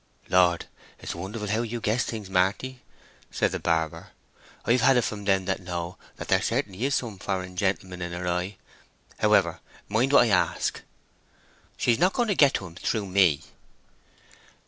"Lord, it's wonderful how you guess things, Marty," said the barber. "I've had it from them that know that there certainly is some foreign gentleman in her eye. However, mind what I ask." "She's not going to get him through me."